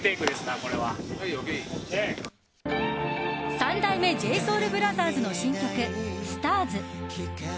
三代目ＪＳＯＵＬＢＲＯＴＨＥＲＳの新曲「ＳＴＡＲＳ」。